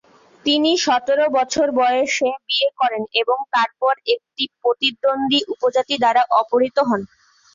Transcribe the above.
তিনি সতের বছর বয়সে বিয়ে করেন, এবং তারপর একটি প্রতিদ্বন্দ্বী উপজাতি দ্বারা অপহৃত হন।